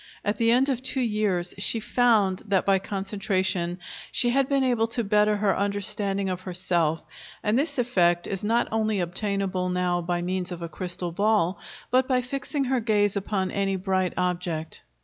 At the end of two years she found that by concentration she had been able to better her understanding of herself; and this effect is not only obtainable now by means of a crystal ball, but by fixing her gaze upon any bright object.